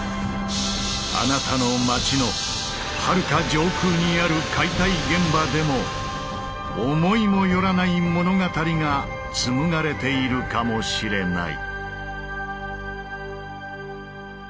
あなたの街のはるか上空にある解体現場でも思いも寄らない物語が紡がれているかもしれない。